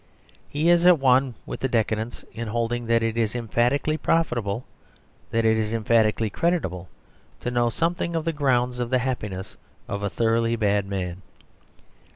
He is at one with the decadents, in holding that it is emphatically profitable, that it is emphatically creditable, to know something of the grounds of the happiness of a thoroughly bad man.